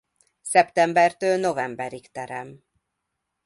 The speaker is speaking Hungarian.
Szeptembertől novemberig terem.